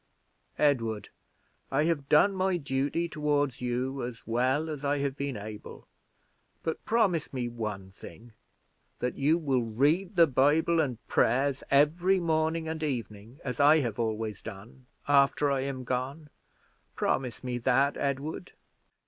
Edward, I have done my duty toward you, as well as I have been able; but promise me one thing that you will read the Bible and prayers every morning and evening, as I have always done, after I am gone; promise me that, Edward."